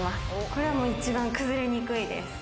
これは一番崩れにくいです。